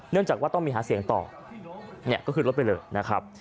จากว่าต้องมีหาเสียงต่อเนี่ยก็ขึ้นรถไปเลยนะครับ